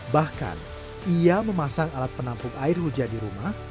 bahkan ia memasang alat penampung air hujan di rumah